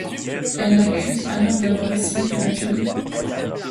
Elle l'accuse alors d'avoir essayé de la violer.